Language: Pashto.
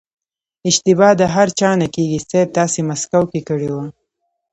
اشتبا د هر چا نه کېږي صيب تاسې مسکو کې کړې وه.